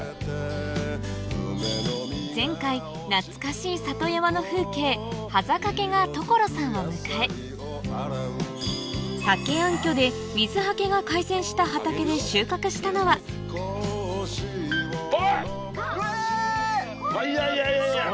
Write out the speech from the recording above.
前回懐かしい里山の風景が所さんを迎え竹暗渠で水はけが改善した畑で収穫したのはいやいやいや！